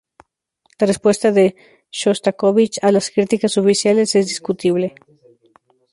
La respuesta de Shostakóvich a las críticas oficiales es discutible.